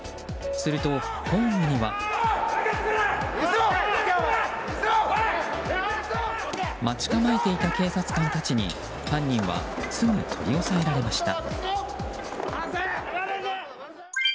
すると、ホームには。待ち構えていた警察官たちに犯人はすぐ取り押さえられました。